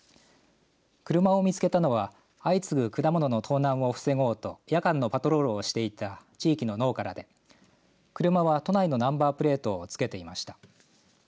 車を見つけたのは相次ぐ果物の盗難を防ごうと夜間のパトロールをしていた地域の農家らで車は都内のナンバープレートを付けていました。